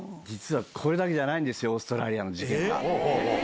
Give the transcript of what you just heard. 実は、これだけじゃないんですよ、オーストラリアの事件が。